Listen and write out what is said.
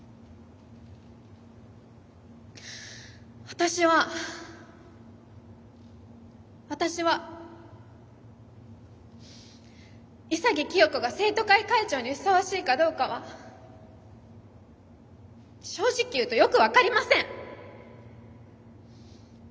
私は私は潔清子が生徒会会長にふさわしいかどうかは正直言うとよく分かりません。